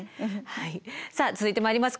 さあ続いてまいります。